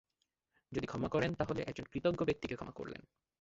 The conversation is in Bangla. যদি ক্ষমা করেন, তাহলে একজন কৃতজ্ঞ ব্যক্তিকে ক্ষমা করলেন।